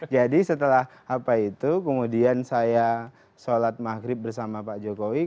jadi setelah apa itu kemudian saya sholat maghrib bersama pak jokowi